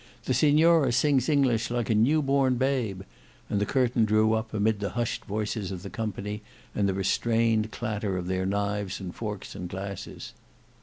The Signora sings English like a new born babe;" and the curtain drew up amid the hushed voices of the company and the restrained clatter of their knives and forks and glasses.